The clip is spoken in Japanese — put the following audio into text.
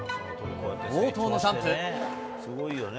冒頭のジャンプ。